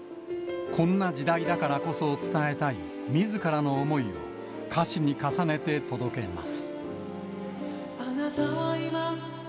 こんな時代だからこそ伝えたい、みずからの思いを歌詞に重ねて届けます。